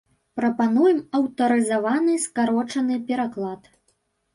Прапануем аўтарызаваны скарочаны пераклад.